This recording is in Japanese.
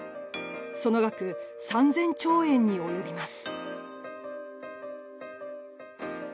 その額３０００兆円に及びます。